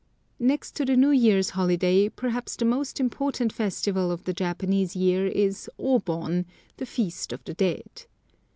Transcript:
Next to the New Year's holiday, perhaps the most important festival of the Japanese year is O Bon, the Feast of the Dead.